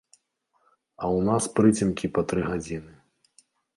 А ў нас прыцемкі па тры гадзіны.